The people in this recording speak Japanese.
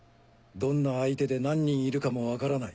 どんな相手で何人いるかも分からない。